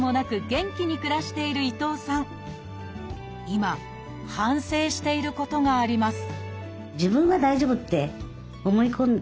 今反省していることがあります